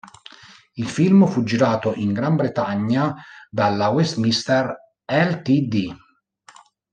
Il film fu girato in Gran Bretagna dalla Westminster Ltd.